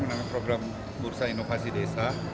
namanya program bursa inovasi desa